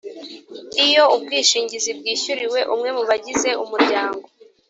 iyo ubwishingizi bwishyuriwe umwe mu bagize umuryango